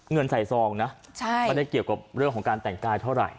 เงินใส่ซองนะไม่ได้เกี่ยวกับเรื่องของการแต่งกายเท่าไหร